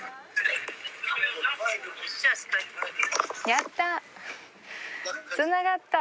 やった！